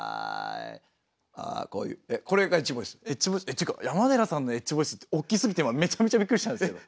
っていうか山寺さんのエッジボイス大きすぎて今めちゃめちゃびっくりしたんですけど。